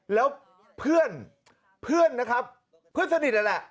แล้วเพื่อนเพื่อนนั้นแหละ